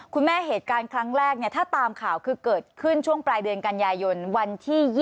เหตุการณ์ครั้งแรกเนี่ยถ้าตามข่าวคือเกิดขึ้นช่วงปลายเดือนกันยายนวันที่๒๒